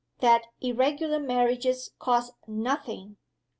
That Irregular Marriages cost nothing